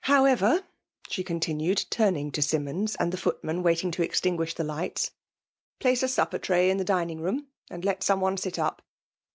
However," she continued, turning to Simmons, and the footman waiting to extinguish the lights, '' place a supper tray in the dining room, aad let some one sit up.